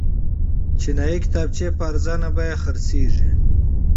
چیني کتابچې په ارزانه بیه پلورل کیږي.